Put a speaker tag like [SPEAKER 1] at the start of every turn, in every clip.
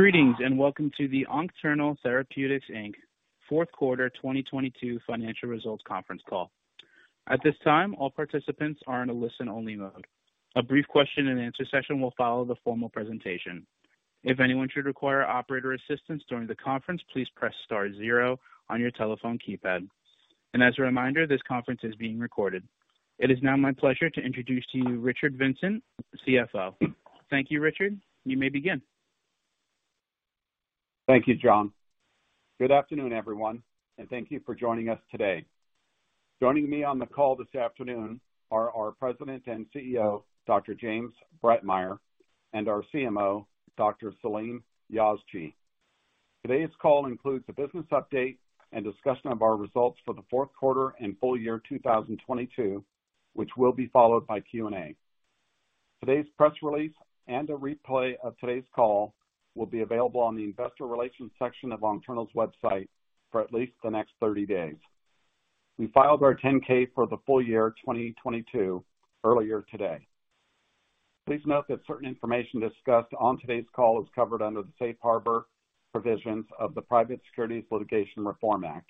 [SPEAKER 1] Greetings. Welcome to the Oncternal Therapeutics Inc. fourth quarter 2022 financial results conference call. At this time, all participants are in a listen-only mode. A brief question and answer session will follow the formal presentation. If anyone should require operator assistance during the conference, please press star zero on your telephone keypad. As a reminder, this conference is being recorded. It is now my pleasure to introduce to you Richard Vincent, CFO. Thank you, Richard. You may begin.
[SPEAKER 2] Thank you, John. Good afternoon, everyone. Thank you for joining us today. Joining me on the call this afternoon are our President and CEO, Dr. James Breitmeyer, and our CMO, Dr. Salim Yazji. Today's call includes a business update and discussion of our results for the fourth quarter and full year 2022, which will be followed by Q&A. Today's press release and a replay of today's call will be available on the investor relations section of Oncternal's website for at least the next 30 days. We filed our 10-K for the full year 2022 earlier today. Please note that certain information discussed on today's call is covered under the safe harbor provisions of the Private Securities Litigation Reform Act.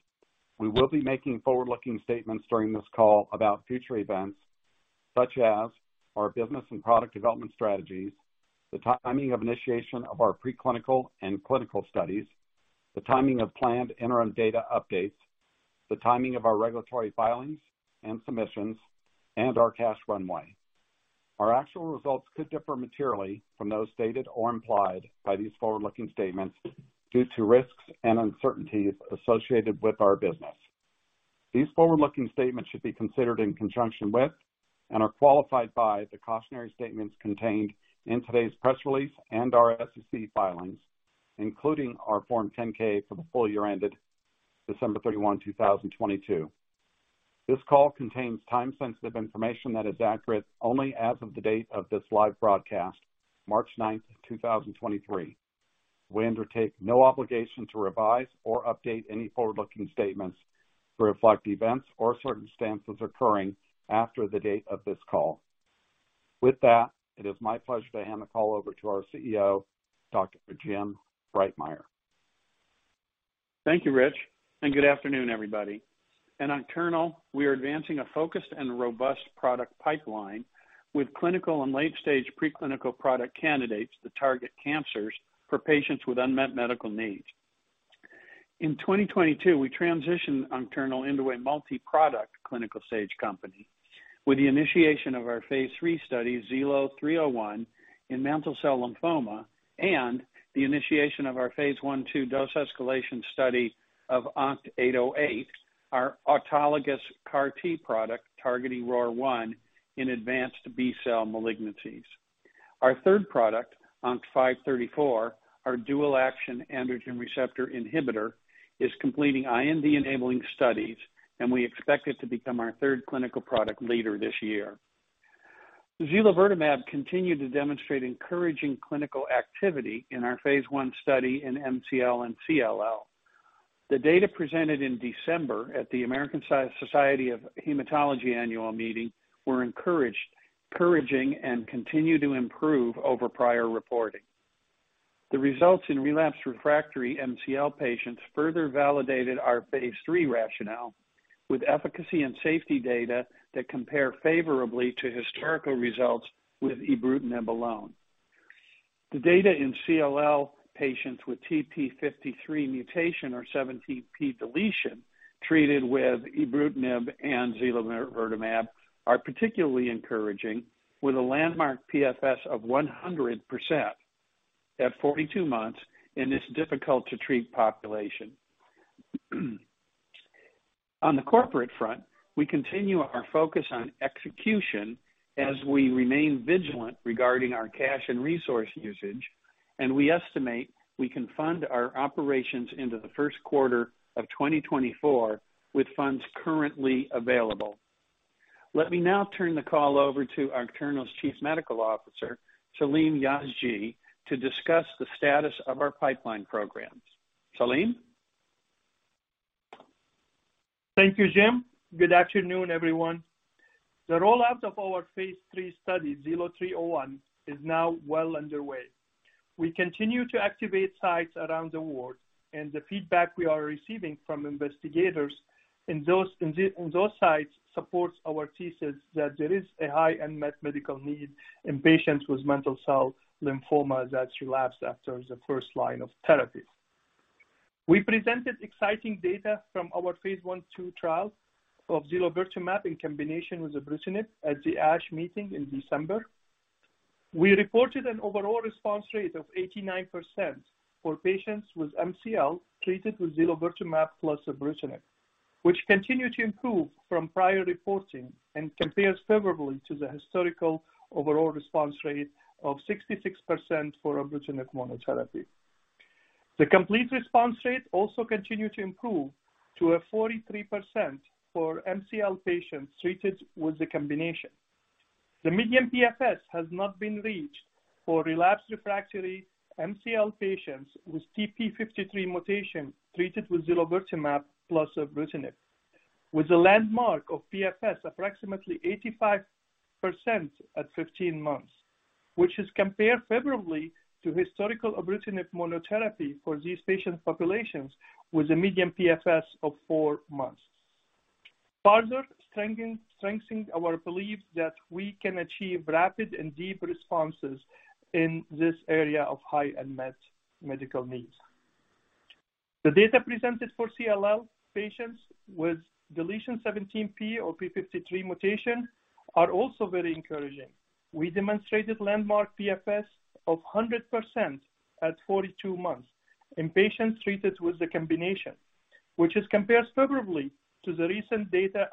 [SPEAKER 2] We will be making forward-looking statements during this call about future events, such as our business and product development strategies, the timing of initiation of our preclinical and clinical studies, the timing of planned interim data updates, the timing of our regulatory filings and submissions, and our cash runway. Our actual results could differ materially from those stated or implied by these forward-looking statements due to risks and uncertainties associated with our business. These forward-looking statements should be considered in conjunction with and are qualified by the cautionary statements contained in today's press release and our SEC filings, including our Form 10-K for the full year ended December 31, 2022. This call contains time-sensitive information that is accurate only as of the date of this live broadcast, March ninth, 2023. We undertake no obligation to revise or update any forward-looking statements to reflect events or circumstances occurring after the date of this call. With that, it is my pleasure to hand the call over to our CEO, Dr. Jim Breitmeyer.
[SPEAKER 3] Thank you, Rich. Good afternoon, everybody. At Oncternal, we are advancing a focused and robust product pipeline with clinical and late-stage preclinical product candidates that target cancers for patients with unmet medical needs. In 2022, we transitioned Oncternal into a multi-product clinical stage company with the initiation of our phase III study, ZILO-301 in mantle cell lymphoma and the initiation of our phase I/II dose escalation study of ONCT-808, our autologous CAR T product targeting ROR1 in advanced B-cell malignancies. Our third product, ONCT-534, our dual-action androgen receptor inhibitor, is completing IND-enabling studies, and we expect it to become our third clinical product later this year. Zilovertamab continued to demonstrate encouraging clinical activity in our phase I study in MCL and CLL. The data presented in December at the American Society of Hematology annual meeting were encouraging and continue to improve over prior reporting. The results in relapsed refractory MCL patients further validated our phase III rationale with efficacy and safety data that compare favorably to historical results with ibrutinib alone. The data in CLL patients with TP53 mutation or 17p deletion treated with ibrutinib and zilovertamab are particularly encouraging, with a landmark PFS of 100% at 42 months in this difficult to treat population. On the corporate front, we continue our focus on execution as we remain vigilant regarding our cash and resource usage, and we estimate we can fund our operations into the first quarter of 2024 with funds currently available. Let me now turn the call over to Oncternal's Chief Medical Officer, Salim Yazji, to discuss the status of our pipeline programs. Salim?
[SPEAKER 4] Thank you, Jim. Good afternoon, everyone. The rollout of our phase III study, ZILO-301, is now well underway. We continue to activate sites around the world. The feedback we are receiving from investigators in those sites supports our thesis that there is a high unmet medical need in patients with mantle cell lymphoma that relapse after the first line of therapy. We presented exciting data from our phase I/II trial of zilovertamab in combination with ibrutinib at the ASH meeting in December. We reported an overall response rate of 89% for patients with MCL treated with zilovertamab plus ibrutinib, which continued to improve from prior reporting and compares favorably to the historical overall response rate of 66% for ibrutinib monotherapy. The complete response rate also continued to improve to a 43% for MCL patients treated with the combination. The median PFS has not been reached for relapsed refractory MCL patients with TP53 mutation treated with zilovertamab plus ibrutinib. With a landmark of PFS approximately 85% at 15 months, which is compared favorably to historical ibrutinib monotherapy for these patient populations, with a median PFS of 4 months. Further strengthening our belief that we can achieve rapid and deep responses in this area of high unmet medical needs. The data presented for CLL patients with del(17p) or TP53 mutation are also very encouraging. We demonstrated landmark PFS of 100% at 42 months in patients treated with the combination, which is compared favorably to the recent data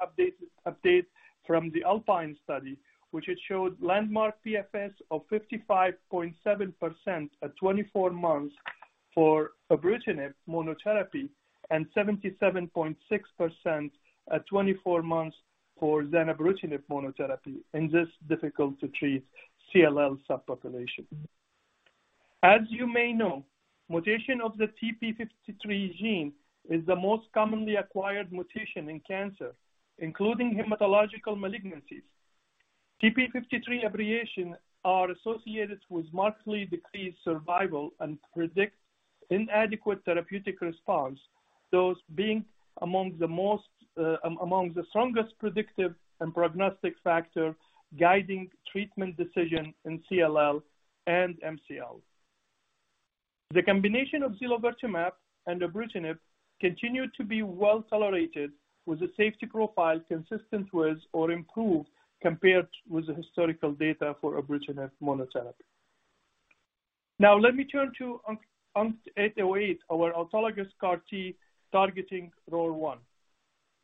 [SPEAKER 4] update from the ALPINE study, which it showed landmark PFS of 55.7% at 24 months for ibrutinib monotherapy, and 77.6% at 24 months for zanubrutinib monotherapy in this difficult to treat CLL subpopulation. As you may know, mutation of the TP53 gene is the most commonly acquired mutation in cancer, including hematologic malignancies. TP53 aberrations are associated with markedly decreased survival and predict inadequate therapeutic response, those being among the most among the strongest predictive and prognostic factors guiding treatment decisions in CLL and MCL. The combination of zilovertamab and ibrutinib continued to be well-tolerated, with a safety profile consistent with or improved compared with the historical data for ibrutinib monotherapy. Now let me turn to ONCT-808, our autologous CAR T targeting ROR1.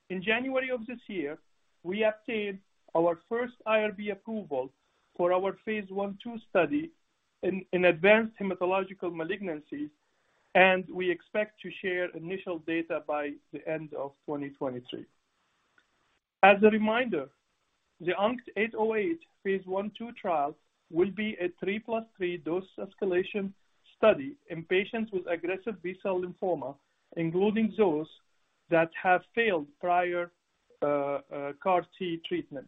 [SPEAKER 4] In January of this year, we obtained our first IRB approval for our phase I/II study in advanced hematological malignancies, and we expect to share initial data by the end of 2023. As a reminder, the ONCT-808 phase I/II trial will be a 3+3 dose escalation study in patients with aggressive B-cell lymphoma, including those that have failed prior CAR T treatment.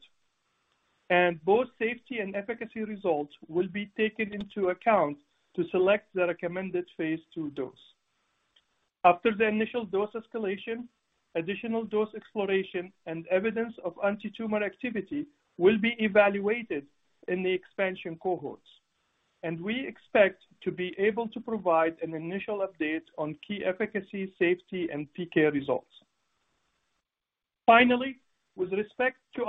[SPEAKER 4] Both safety and efficacy results will be taken into account to select the recommended phase II dose. After the initial dose escalation, additional dose exploration and evidence of antitumor activity will be evaluated in the expansion cohorts. We expect to be able to provide an initial update on key efficacy, safety, and PK results. Finally, with respect to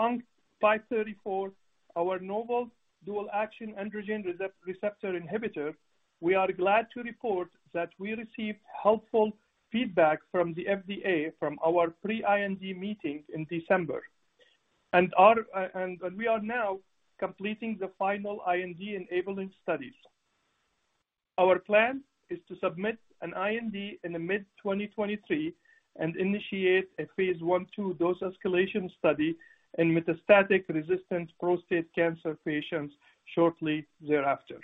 [SPEAKER 4] ONCT-534, our novel dual-action androgen receptor inhibitor, we are glad to report that we received helpful feedback from the FDA from our pre-IND meeting in December. We are now completing the final IND enabling studies. Our plan is to submit an IND in mid-2023 and initiate a phase I/II dose escalation study in metastatic resistant prostate cancer patients shortly thereafter.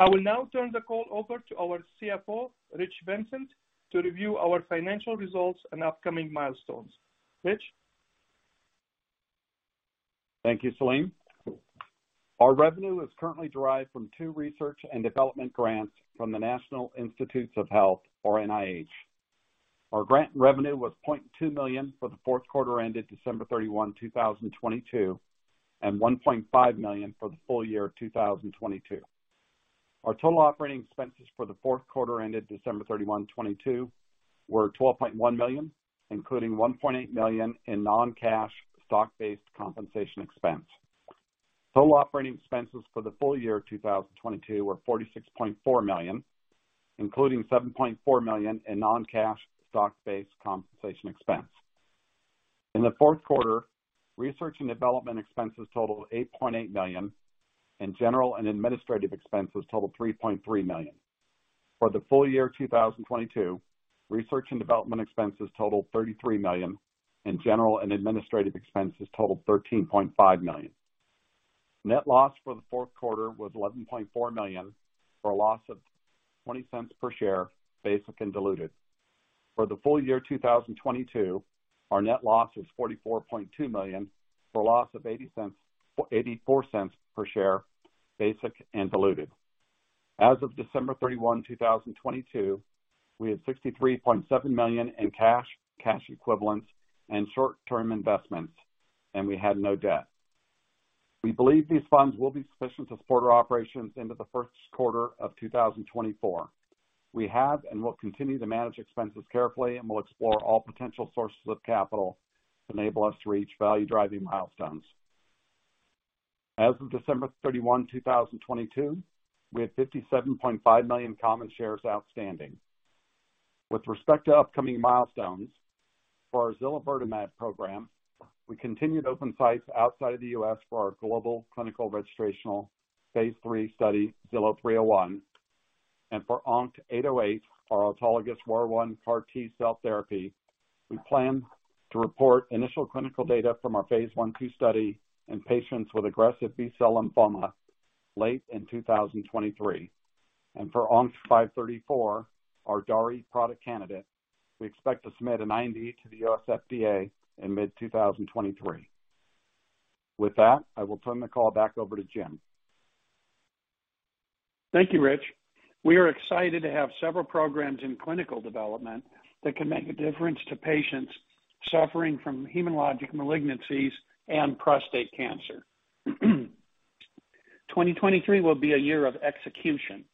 [SPEAKER 4] I will now turn the call over to our CFO, Rich Vincent, to review our financial results and upcoming milestones. Rich?
[SPEAKER 2] Thank you, Salim. Our revenue is currently derived from two research and development grants from the National Institutes of Health, or NIH. Our grant revenue was $0.2 million for the fourth quarter ended December 31, 2022, and $1.5 million for the full year of 2022. Our total operating expenses for the fourth quarter ended December 31, 2022, were $12.1 million, including $1.8 million in non-cash stock-based compensation expense. Total operating expenses for the full year of 2022 were $46.4 million, including $7.4 million in non-cash stock-based compensation expense. In the fourth quarter, research and development expenses totaled $8.8 million, and general and administrative expenses totaled $3.3 million. For the full year of 2022, research and development expenses totaled $33 million, and general and administrative expenses totaled $13.5 million. Net loss for the fourth quarter was $11.4 million, for a loss of $0.20 per share, basic and diluted. For the full year 2022, our net loss was $44.2 million, for a loss of $0.84 per share, basic and diluted. As of December 31, 2022, we had $63.7 million in cash equivalents, and short-term investments, and we had no debt. We believe these funds will be sufficient to support our operations into the first quarter of 2024. We have and will continue to manage expenses carefully and will explore all potential sources of capital to enable us to reach value-driving milestones. As of December 31, 2022, we had 57.5 million common shares outstanding. With respect to upcoming milestones, for our zilovertamab program, we continue to open sites outside the U.S. for our global clinical registrational phase 3 study, ZILO-301. For ONCT-808, our autologous ROR1 CAR T-cell therapy, we plan to report initial clinical data from our phase I/II study in patients with aggressive B-cell lymphoma late in 2023. For ONCT-534, our DAARI product candidate, we expect to submit an IND to the U.S. FDA in mid-2023. With that, I will turn the call back over to Jim.
[SPEAKER 3] Thank you, Rich. We are excited to have several programs in clinical development that can make a difference to patients suffering from hematologic malignancies and prostate cancer. 2023 will be a year of execution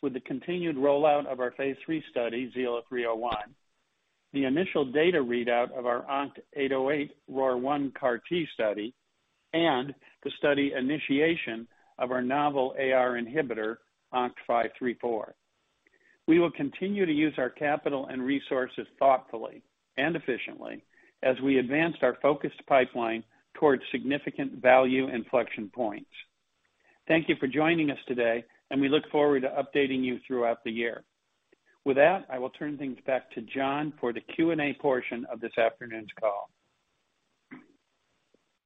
[SPEAKER 3] with the continued rollout of our phase III study, ZILO-301, the initial data readout of our ONCT-808 ROR1 CAR T study, and the study initiation of our novel AR inhibitor, ONCT-534. We will continue to use our capital and resources thoughtfully and efficiently as we advance our focused pipeline towards significant value inflection points. Thank you for joining us today, and we look forward to updating you throughout the year. With that, I will turn things back to John for the Q&A portion of this afternoon's call.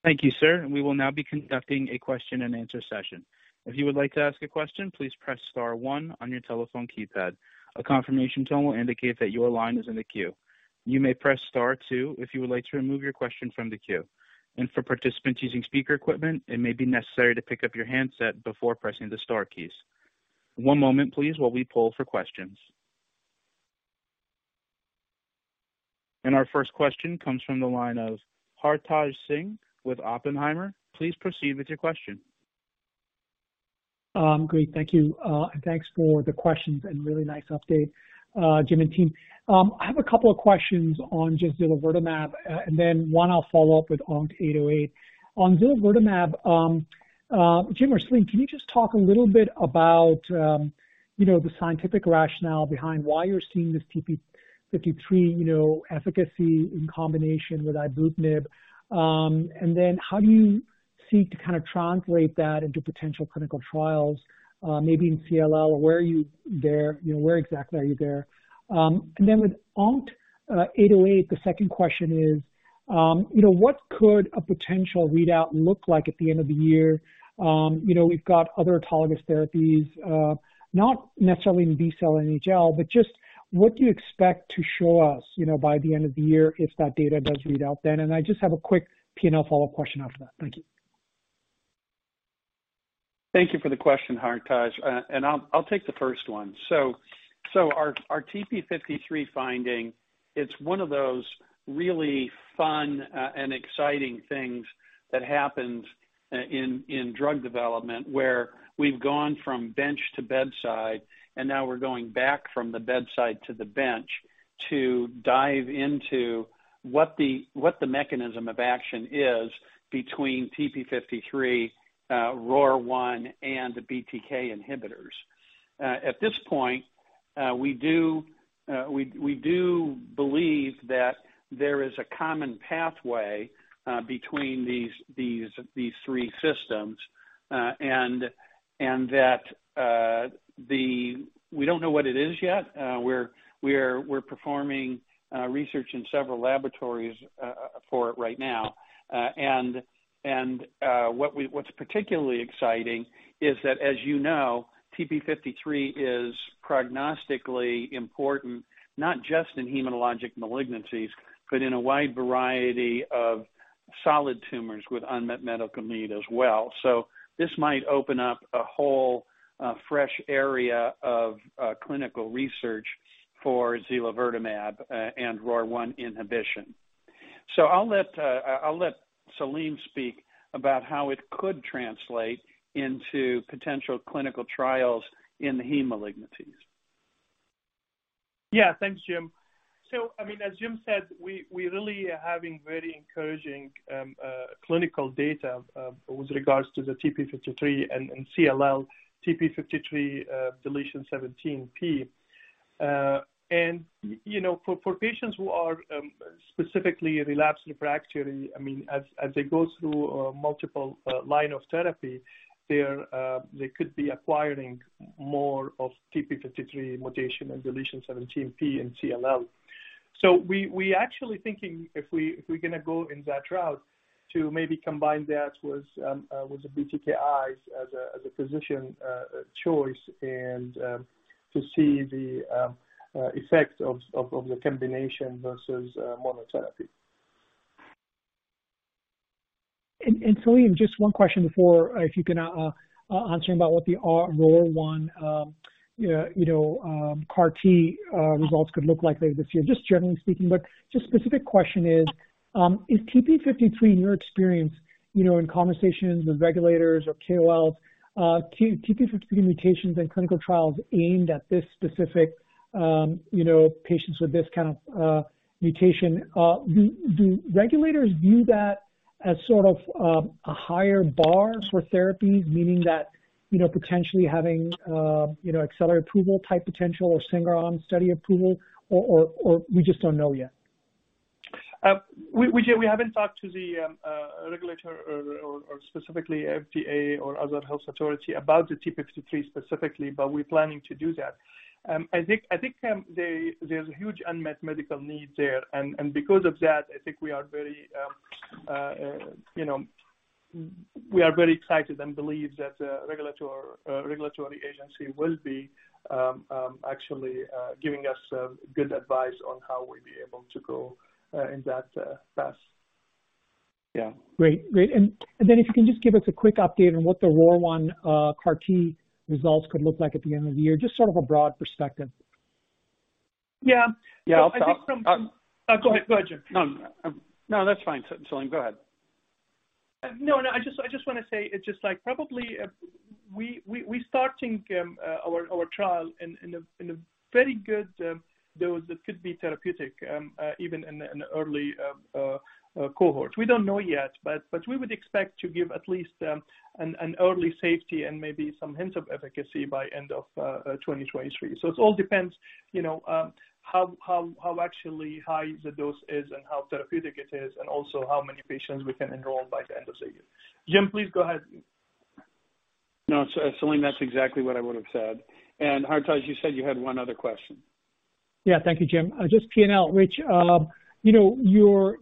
[SPEAKER 1] Thank you, sir. We will now be conducting a question-and-answer session. If you would like to ask a question, please press star one on your telephone keypad. A confirmation tone will indicate that your line is in the queue. You may press star two if you would like to remove your question from the queue. For participants using speaker equipment, it may be necessary to pick up your handset before pressing the star keys. One moment, please, while we poll for questions. Our first question comes from the line of Hartaj Singh with Oppenheimer. Please proceed with your question.
[SPEAKER 5] Great. Thank you. Thanks for the questions and really nice update, Jim and team. I have a couple of questions on just zilovertamab, and then one I'll follow up with ONCT-808. On zilovertamab, Jim or Salim, can you just talk a little bit about, you know, the scientific rationale behind why you're seeing this TP53, you know, efficacy in combination with ibrutinib? Then how do you seek to kind of translate that into potential clinical trials, maybe in CLL? Or where are you there? You know, where exactly are you there? Then with ONCT-808, the second question is, you know, what could a potential readout look like at the end of the year? You know, we've got other autologous therapies, not necessarily in B-cell NHL, but just what do you expect to show us, you know, by the end of the year if that data does read out then? I just have a quick P&L follow-up question after that. Thank you.
[SPEAKER 3] Thank you for the question, Hartaj. I'll take the first one. Our TP53 finding, it's one of those really fun and exciting things that happens in drug development, where we've gone from bench to bedside, and now we're going back from the bedside to the bench to dive into what the mechanism of action is between TP53, ROR1, and the BTK inhibitors. At this point, we do believe that there is a common pathway between these three systems. We don't know what it is yet. We're performing research in several laboratories for it right now. What's particularly exciting is that, as you know, TP53 is prognostically important, not just in hematologic malignancies, but in a wide variety of solid tumors with unmet medical need as well. This might open up a whole fresh area of clinical research for zilovertamab, and ROR1 inhibition. I'll let Salim speak about how it could translate into potential clinical trials in the heme malignancies.
[SPEAKER 4] Thanks, Jim. I mean, as Jim said, we really are having very encouraging clinical data with regards to the TP53 and CLL TP53 deletion 17p. You know, for patients who are specifically relapsed refractory, I mean, as they go through multiple line of therapy, they're they could be acquiring more of TP53 mutation and deletion 17p and CLL. We actually thinking if we're gonna go in that route to maybe combine that with the BTKIs as a physician choice and to see the effect of the combination versus monotherapy.
[SPEAKER 5] Salim, just one question before if you can answer about what the ROR1 CAR T results could look like later this year, just generally speaking. But just specific question is TP53 in your experience, you know, in conversations with regulators or KOLs, TP53 mutations in clinical trials aimed at this specific, you know, patients with this kind of mutation. Do regulators view that as sort of a higher bar for therapies, meaning that, you know, potentially having, you know, accelerated approval type potential or single arm study approval or we just don't know yet?
[SPEAKER 4] We haven't talked to the regulator or specifically FDA or other health authority about the TP53 specifically, but we're planning to do that. I think there's a huge unmet medical need there, and because of that, I think we are very, you know. We are very excited and believe that regulatory agency will be actually giving us good advice on how we'll be able to go in that path. Yeah.
[SPEAKER 5] Great. Great. If you can just give us a quick update on what the ROR1 CAR T results could look like at the end of the year. Just sort of a broad perspective.
[SPEAKER 4] Yeah.
[SPEAKER 3] Yeah.
[SPEAKER 4] Go ahead. Go ahead, Jim.
[SPEAKER 3] No, no, that's fine, Salim. Go ahead.
[SPEAKER 4] No, I just wanna say it's like probably, we're starting our trial in a very good dose that could be therapeutic even in an early cohort. We don't know yet, but we would expect to give at least an early safety and maybe some hints of efficacy by end of 2023. It all depends, you know, how actually high the dose is and how therapeutic it is, and also how many patients we can enroll by the end of the year. Jim, please go ahead.
[SPEAKER 3] No, Salim, that's exactly what I would have said. Hartaj, you said you had one other question.
[SPEAKER 5] Yeah. Thank you, Jim. just P&L, which, you know, your,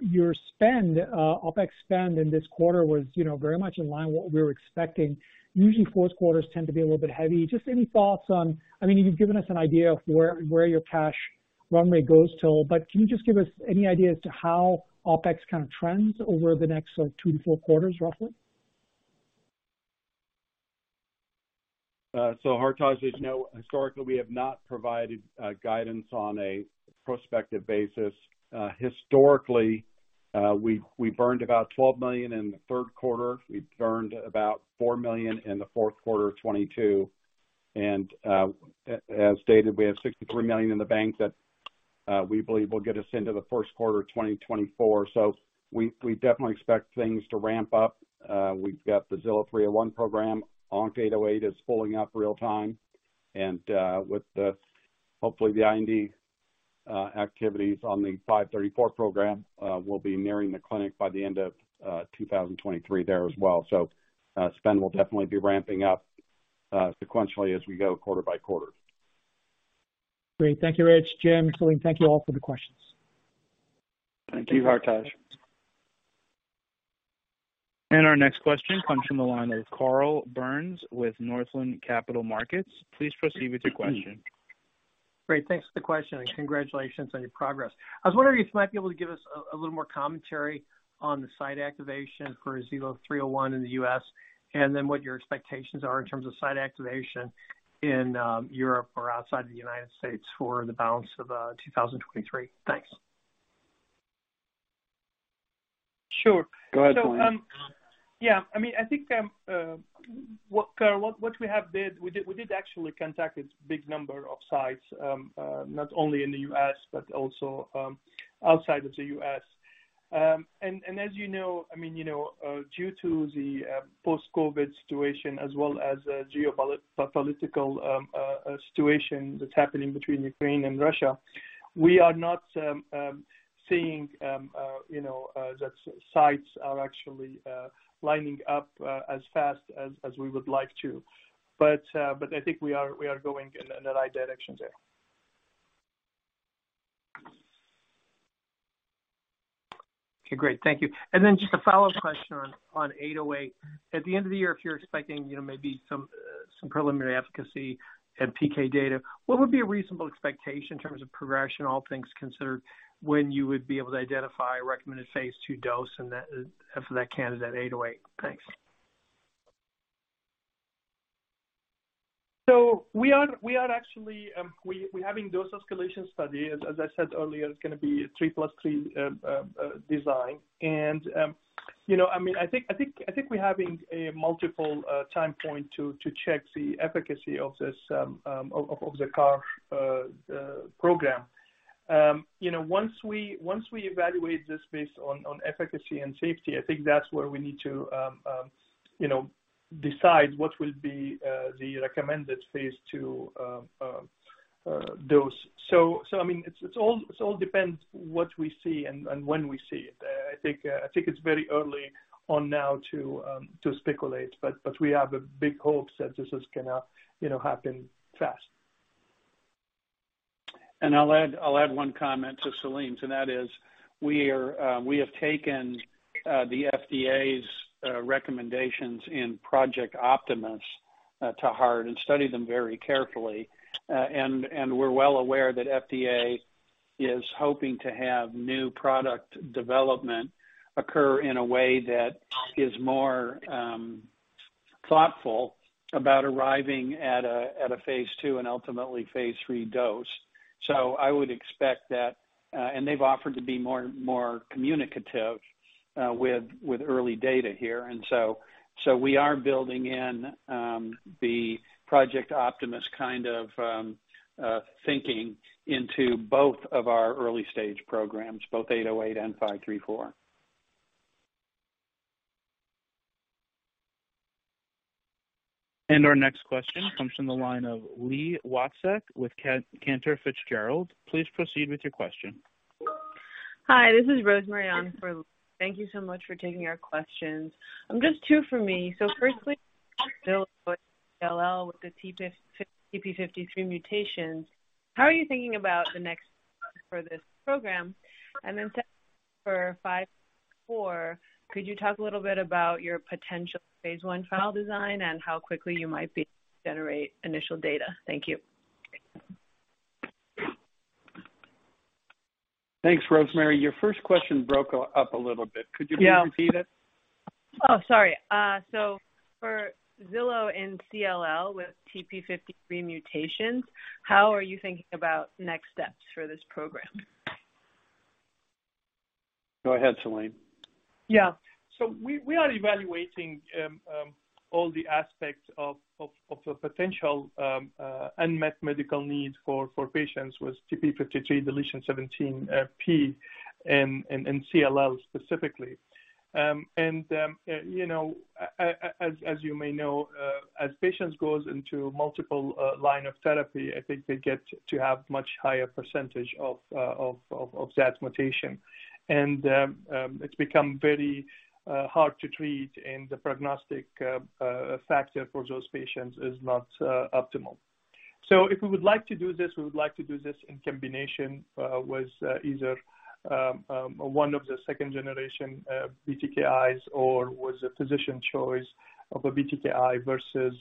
[SPEAKER 5] your spend, OpEx spend in this quarter was, you know, very much in line with what we were expecting. Usually fourth quarters tend to be a little bit heavy. Just any thoughts. I mean, you've given us an idea of where your cash runway goes till. Can you just give us any idea as to how OpEx kind of trends over the next two to four quarters, roughly?
[SPEAKER 3] Hartaj, there's no. Historically, we have not provided guidance on a prospective basis. Historically, we burned about $12 million in the third quarter. We burned about $4 million in the fourth quarter of 2022. As stated, we have $63 million in the bank that we believe will get us into the first quarter of 2024. We definitely expect things to ramp up. We've got the ZILO-301 program. ONCT-808 is pulling up real-time, and with the, hopefully the IND activities on the 534 program, we'll be nearing the clinic by the end of 2023 there as well. Spend will definitely be ramping up sequentially as we go quarter by quarter.
[SPEAKER 5] Great. Thank you, Rich. Jim, Salim, thank you all for the questions.
[SPEAKER 3] Thank you.
[SPEAKER 4] Thank you, Hartaj.
[SPEAKER 1] Our next question comes from the line of Carl Byrnes with Northland Capital Markets. Please proceed with your question.
[SPEAKER 6] Great. Thanks for the question and congratulations on your progress. I was wondering if you might be able to give us a little more commentary on the site activation for ZILO-301 in the U.S., and then what your expectations are in terms of site activation in Europe or outside the United States for the balance of 2023. Thanks.
[SPEAKER 4] Sure.
[SPEAKER 3] Go ahead, Salim.
[SPEAKER 4] Yeah, I mean, I think, Carl, what we have did, we did actually contact this big number of sites, not only in the U.S. but also, outside of the U.S. As you know, I mean, you know, due to the post-COVID situation as well as the geopolitical situation that's happening between Ukraine and Russia, we are not seeing, you know, that sites are actually lining up as fast as we would like to. I think we are going in the right direction there.
[SPEAKER 6] Okay, great. Thank you. Just a follow-up question on ONCT-808. At the end of the year, if you're expecting, you know, maybe some preliminary efficacy and PK data, what would be a reasonable expectation in terms of progression, all things considered, when you would be able to identify a recommended phase 2 dose and that for that candidate, ONCT-808? Thanks.
[SPEAKER 4] We are actually, we're having dose escalation study. As I said earlier, it's gonna be a 3+3 design. You know, I mean, I think we're having a multiple time point to check the efficacy of this CAR program. You know, once we evaluate this based on efficacy and safety, I think that's where we need to, you know, decide what will be the recommended phase 2 dose. I mean, it's all, it all depends what we see and when we see it. I think it's very early on now to speculate, but we have a big hope that this is gonna, you know, happen fast.
[SPEAKER 3] I'll add one comment to Salim's, and that is we have taken the FDA's recommendations in Project Optimus to heart and studied them very carefully. We're well aware that FDA is hoping to have new product development occur in a way that is more thoughtful about arriving at a, at a phase II and ultimately phase III dose. I would expect that, and they've offered to be more communicative with early data here. We are building in the Project Optimus kind of thinking into both of our early stage programs, both 808 and 534.
[SPEAKER 1] Our next question comes from the line of Li Watsek with Cantor Fitzgerald. Please proceed with your question.
[SPEAKER 7] Hi, this is Rosemary on for Li. Thank you so much for taking our questions. Just two for me. Firstly, ZILO for CLL with the TP53 mutations, how are you thinking about for this program. For 534, could you talk a little bit about your potential phase 1 trial design and how quickly you might be able to generate initial data? Thank you.
[SPEAKER 3] Thanks, Rosemary. Your first question broke up a little bit. Could you please repeat it?
[SPEAKER 7] Sorry. For Zilo in CLL with TP53 mutations, how are you thinking about next steps for this program?
[SPEAKER 3] Go ahead, Salim.
[SPEAKER 4] We are evaluating all the aspects of the potential unmet medical need for patients with TP53 del(17p) and CLL specifically. You know, as you may know, as patients goes into multiple line of therapy, I think they get to have much higher percentage of that mutation. It's become very hard to treat and the prognostic factor for those patients is not optimal. If we would like to do this, we would like to do this in combination with either one of the second-generation BTKIs or with the physician choice of a BTKI versus,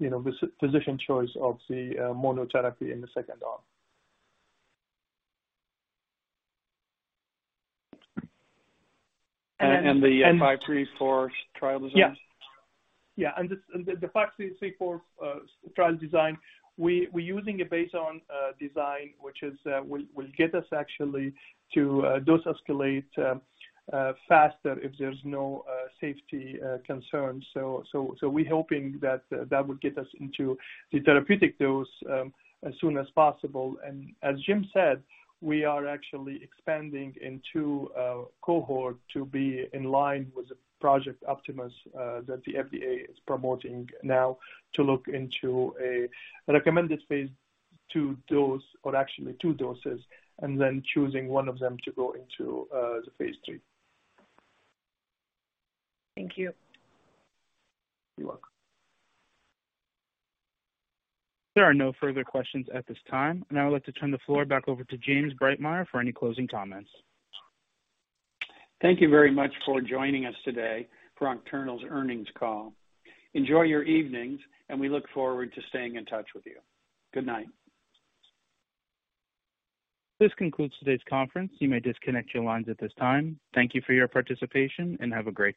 [SPEAKER 4] you know, the physician choice of the monotherapy in the second arm.
[SPEAKER 3] The 534 trial design?
[SPEAKER 4] Yes. Yeah. The ONCT-534, trial design, we're using a BOIN design which is, will get us actually to dose escalate faster if there's no safety concerns. We're hoping that that would get us into the therapeutic dose as soon as possible. As Jim said, we are actually expanding into a cohort to be in line with the Project Optimus that the FDA is promoting now to look into a recommended phase II dose or actually two doses, and then choosing one of them to go into the phase III.
[SPEAKER 7] Thank you.
[SPEAKER 4] You're welcome.
[SPEAKER 1] There are no further questions at this time. I would like to turn the floor back over to James Breitmeyer for any closing comments.
[SPEAKER 3] Thank you very much for joining us today for Oncternal's earnings call. Enjoy your evenings, and we look forward to staying in touch with you. Good night.
[SPEAKER 1] This concludes today's conference. You may disconnect your lines at this time. Thank you for your participation, and have a great day.